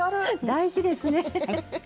大事ですね。